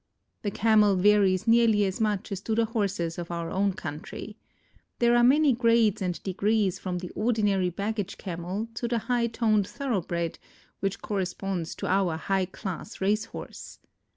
The Camel varies nearly as much as do the horses of our own country. There are many grades and degrees from the ordinary baggage Camel to the high toned thoroughbred which corresponds to our high class race horse.